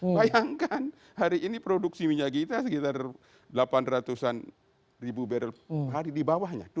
bayangkan hari ini produksi minyak kita sekitar delapan ratus ribu barrel per hari dibawahnya